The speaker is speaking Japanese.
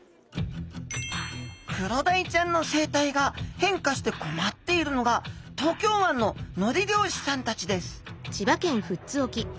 クロダイちゃんの生態が変化して困っているのが東京湾ののり漁師さんたちです